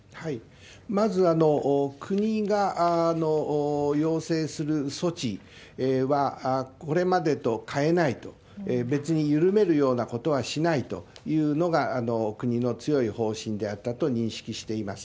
まず国が要請する措置はこれまでと変えないと、別に緩めるようなことはしないというのが国の強い方針であったと認識しています。